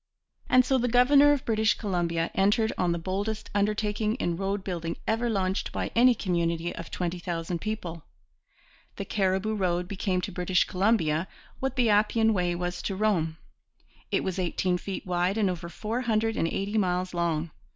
And so the governor of British Columbia entered on the boldest undertaking in roadbuilding ever launched by any community of twenty thousand people. The Cariboo Road became to British Columbia what the Appian Way was to Rome. It was eighteen feet wide and over four hundred and eighty miles long.